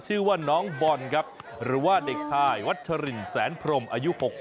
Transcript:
หนองบอนกับหรือว่าเด็กทายวัชฌีริยมสารพรมอายุ๖ปี